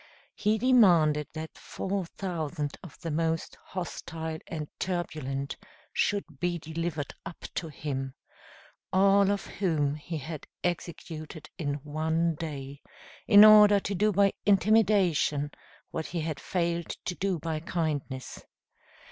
He demanded that four thousand of the most hostile and turbulent should be delivered up to him, all of whom he had executed in one day, in order to do by intimidation what he had failed to do by kindness.